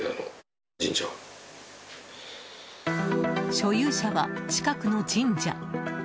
所有者は、近くの神社。